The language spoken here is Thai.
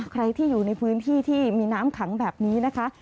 ใครที่อยู่ในพื้นที่ที่มีน้ำขังแบบนี้นะคะ